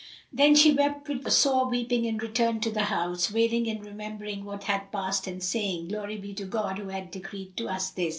Then she wept with sore weeping and returned to the house, wailing and remembering what had passed and saying, "Glory be to God who hath decreed to us this!"